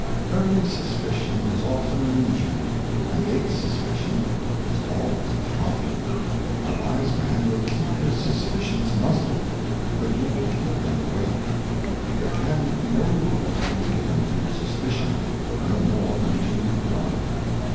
Early Suspicion is often an Injury, and late Suspicion is always a Folly. A wise Man will keep his Suspicions muzzled, but he will keep them awake. There can no Rules be given to Suspicion, no more than to Love.